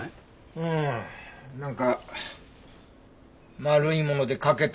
うんなんか丸いもので欠けたような。